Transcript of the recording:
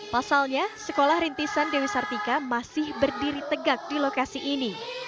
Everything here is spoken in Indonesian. pasalnya sekolah rintisan dewi sartika masih berdiri tegak di lokasi ini